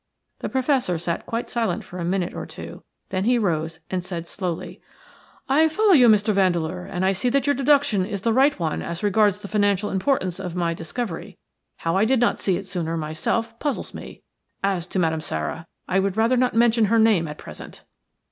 The Professor sat quite silent for a minute or two, then he rose and said, slowly:– "I follow you, Mr. Vandeleur, and I see that your deduction is the right one as regards the financial importance of my discovery. How I did not see it sooner myself puzzles me. As to Madame Sara, I would rather not mention her name at present."